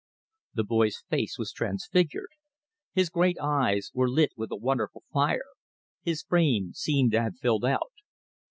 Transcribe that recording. The boy's face was transfigured. His great eyes were lit with a wonderful fire. His frame seemed to have filled out.